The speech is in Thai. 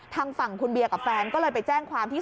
ทางฝั่งคุณเบียร์กับแฟนก็เลยไปแจ้งความที่